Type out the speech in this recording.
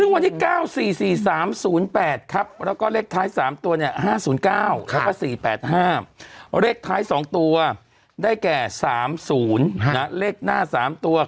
ฉันต้องเป็นตัวแบบช่วย